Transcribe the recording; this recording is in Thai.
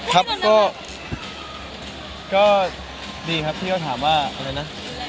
ครับก็ดีครับที่เขาถามว่าอะไรนะ